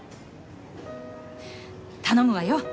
頼むわよ！